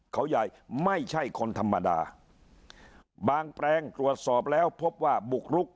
เขาใหญ่ไม่ใช่คนธรรมดาบางแปลงตรวจสอบแล้วพบว่าบุกรุก